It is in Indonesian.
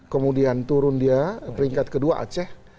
kemudian turun dia peringkat kedua aceh